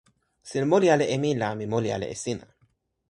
sina moli ala e mi la mi moli ala e sina.